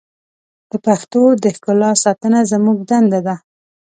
د پښتو د ښکلا ساتنه زموږ دنده ده.